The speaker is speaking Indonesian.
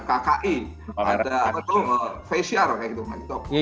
ada kki ada apa tuh vcr kayak gitu